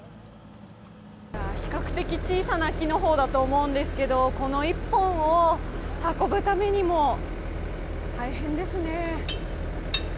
比較的小さな木の方だと思うんですけれども、この１本を運ぶためにも大変ですね